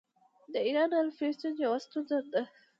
د ایران انفلاسیون یوه ستونزه ده.